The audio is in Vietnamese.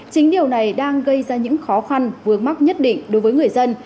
chính điều này đang gây ra những khó khăn vướng mắc nhất định đối với người dân